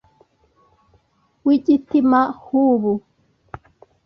w’igitima hubu